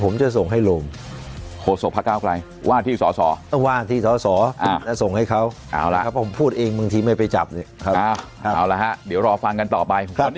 ขอบคุณคุณชวิตพร้อมคุณครับสวัสดีครับสวัสดีครับสวัสดีครับ